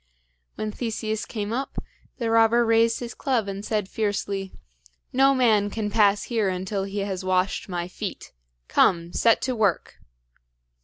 When Theseus came up, the robber raised his club, and said fiercely: "No man can pass here until he has washed my feet! Come, set to work!"